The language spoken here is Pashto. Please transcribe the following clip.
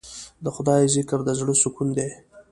د خدای ذکر د زړه سکون دی.